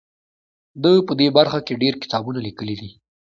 ده په دې برخه کې ډیر کتابونه لیکلي دي.